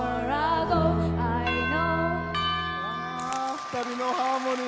２人のハーモニー。